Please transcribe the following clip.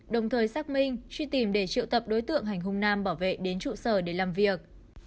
đồng thời xác minh truy tìm để triệu tập đối tượng hành hung nam bảo vệ đến trụ sở để làm việc